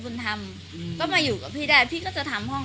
คือด่าได้แต่ฟังให้มันจบก่อน